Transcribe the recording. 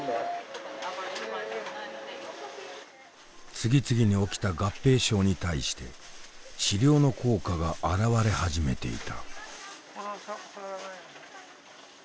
次々に起きた合併症に対して治療の効果が表れ始めていた。